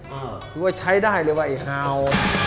ถือว่าใช้ได้เลยว่าไอ้ฮาว